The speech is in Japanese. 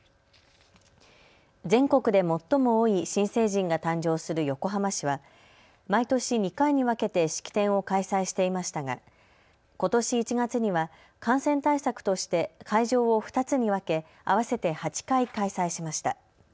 全国で最も多い新成人が誕生する横浜市は毎年、２回に分けて式典を開催していましたがことし１月には感染対策として会場を２つに分け合わせて８回、開催しました。